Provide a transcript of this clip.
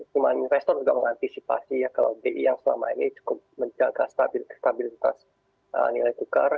cuma investor juga mengantisipasi bi yang selama ini cukup menjaga stabilitas nilai tukar